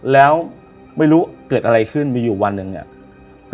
แล้วไม่รู้เกิดอะไรขึ้นมีอยู่วันหนึ่งอ่ะ